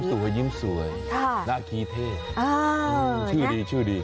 ดูยิ้มสวยดร่าคีเท่ชื่อดี